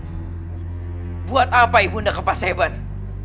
aku sudah katakan kepada ibu unda untuk tidak keluar dari kamar tanpa izinku